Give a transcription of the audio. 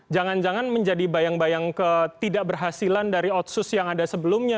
jangan jangan menjadi bayang bayang ketidakberhasilan dari otsus yang ada sebelumnya